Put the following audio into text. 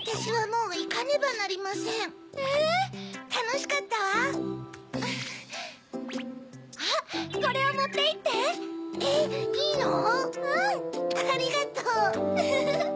うん！ありがとう！ウフフフ。